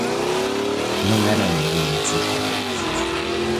Non era ningún insulto.